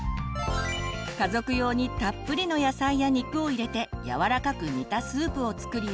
家族用にたっぷりの野菜や肉を入れてやわらかく煮たスープを作り